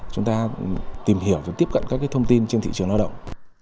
chúng ta tìm hiểu và tiếp cận các thông tin trên thị trường lao động